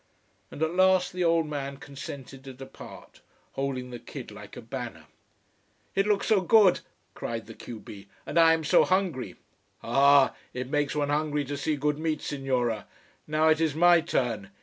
And at last the old man consented to depart, holding the kid like a banner. "It looks so good!" cried the q b. "And I am so hungry." "Ha ha! It makes one hungry to see good meat, Signora. Now it is my turn.